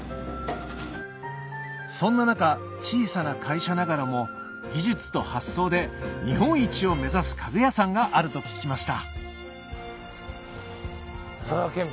そんな中小さな会社ながらも技術と発想で日本一を目指す家具屋さんがあると聞きました佐田建美